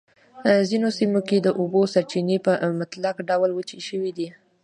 ځینو سیمو کې د اوبو سرچېنې په مطلق ډول وچې شوی دي.